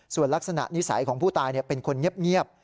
ส่วนลักษณะนิสัยของผู้ตายเป็นคนเงียบ